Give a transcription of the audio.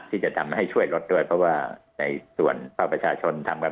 ที่จะทำให้ช่วยลดด้วยเพราะว่าในส่วนภาคประชาชนทำกัน